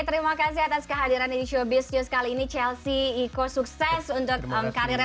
terima kasih atas kehadiran di showbiz juga sekali ini chelsea iko sukses untuk karirnya